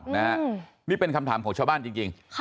นี่เป็นคำถามของชาวบ้านจริง